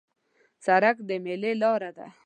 سړک د میلې لار ده.